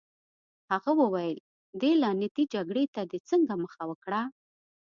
هغه وویل: دې لعنتي جګړې ته دې څنګه مخه وکړه؟